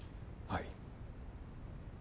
はい。